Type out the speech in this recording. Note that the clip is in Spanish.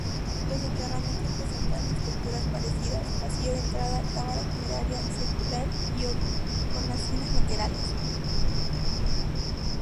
Los enterramientos presentan estructuras parecidas: pasillo de entrada, cámara funeraria circular y hornacinas laterales.